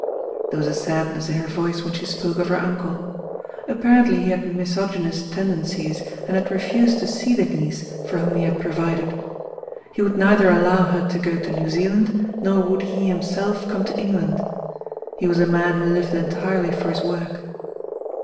There was a sadness in her voice when she spoke of her uncle. Apparently he had misogynist tenden des, and had refused to see the niece for whom he had provided. He would neither allow her to go to New Zealand, nor would he himself come to England. He was a man who lived entirely for his work.